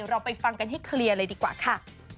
เราไปฟังกันให้เคลียร์เลยดีกว่าค่ะ